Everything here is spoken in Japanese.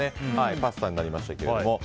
パスタになりましたけれども。